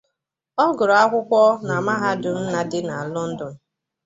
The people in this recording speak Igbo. Ọ gụrụ akwukwo na Mahadum na dị na London.